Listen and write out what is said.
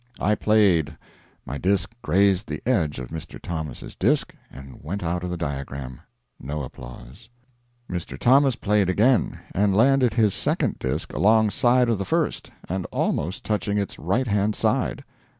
I played: my disk grazed the edge of Mr. Thomas's disk, and went out of the diagram. (No applause.) Mr. Thomas played again and landed his second disk alongside of the first, and almost touching its right hand side.